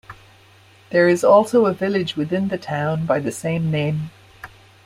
There is also a village within the town by the same name.